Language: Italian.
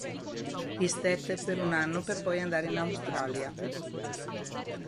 Vi stette per un anno per poi andare in Australia.